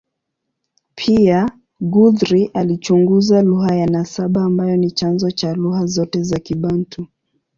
Pia, Guthrie alichunguza lugha ya nasaba ambayo ni chanzo cha lugha zote za Kibantu.